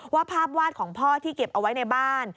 ว่าภาพวาดของพ่อที่เก็บเอาไว้ในบ้าน